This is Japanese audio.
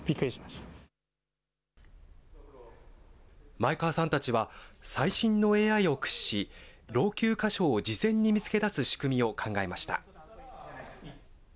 前川さんたちは、最新のＡＩを駆使し、老朽箇所を事前に見つけ出す仕組みを考えました。